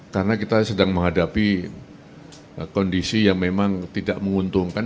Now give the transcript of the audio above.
karena kita sedang menghadapi kondisi yang memang tidak menguntungkan